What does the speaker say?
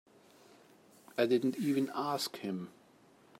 I didn't even ask him.